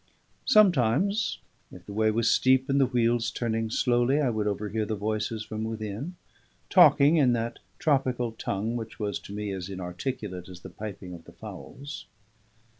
Sometimes, if the way was steep and the wheels turning slowly, I would overhear the voices from within, talking in that tropical tongue which was to me as inarticulate as the piping of the fowls.